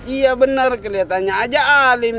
iya benar kelihatannya aja alim